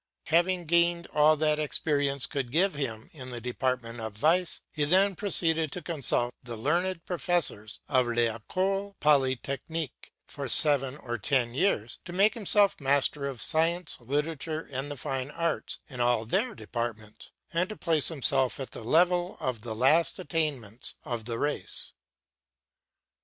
Having gained all that experience could give him in the department of vice, he then proceeded to consult the learned professors of L'École Polytechnique for seven or ten years, to make himself master of science, literature, and the fine arts in all their departments, and to place himself at the level of the last attainments of the race.